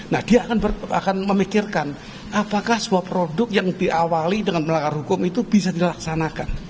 nah dia akan memikirkan apakah sebuah produk yang diawali dengan melanggar hukum itu bisa dilaksanakan